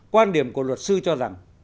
quan điểm của luật sư cho rằng